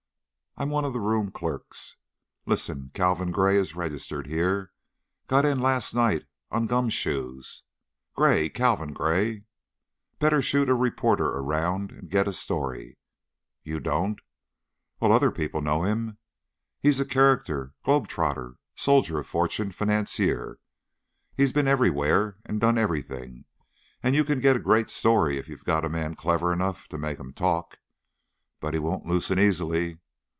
I'm one of the room clerks. Listen! Calvin Gray is registered here got in last night, on gum shoes.... Gray! Calvin Gray! Better shoot a reporter around and get a story.... You don't? Well, other people know him. He's a character globe trotter, soldier of fortune, financier. He's been everywhere and done everything, and you can get a great story if you've got a man clever enough to make him talk. But he won't loosen easily....